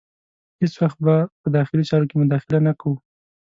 هیڅ وخت به په داخلي چارو کې مداخله نه کوو.